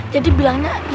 jadi bilangnya itu takjil